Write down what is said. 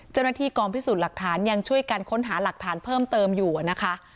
เจ้าหน้าที่กองพิสูจน์หลักฐานยังช่วยกันค้นหาหลักฐานเพิ่มเติมอยู่นะคะ